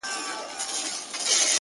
o ه ياره په ژړا نه کيږي ـ